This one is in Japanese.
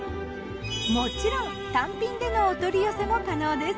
もちろん単品でのお取り寄せも可能です。